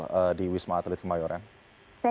kami sudah melakukan pengumuman di rumah